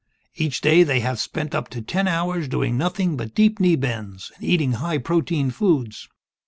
Each day, they have spent up to ten hours doing nothing but deep knee bends, and eating high protein foods.